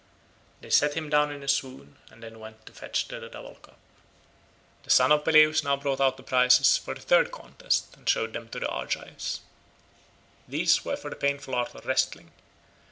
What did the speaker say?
They set him down in a swoon and then went to fetch the double cup. The son of Peleus now brought out the prizes for the third contest and showed them to the Argives. These were for the painful art of wrestling.